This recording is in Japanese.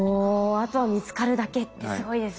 あとは見つかるだけってすごいですね。